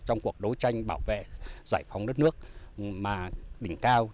trong cuộc đấu tranh bảo vệ giải phóng đất nước mà đỉnh cao